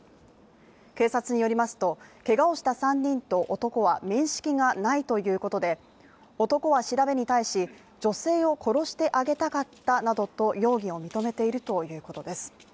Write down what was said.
警察によりますと、けがをした３人と男は面識がないということで、男は調べに対し女性を殺してあげたかったなどと容疑を認めているということです。